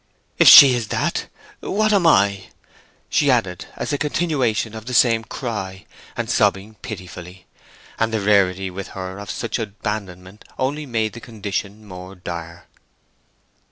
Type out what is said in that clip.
"If she's—that,—what—am I?" she added, as a continuation of the same cry, and sobbing pitifully: and the rarity with her of such abandonment only made the condition more dire.